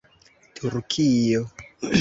turkio